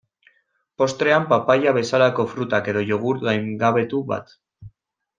Postrean papaia bezalako frutak, edo jogurt gaingabetu bat.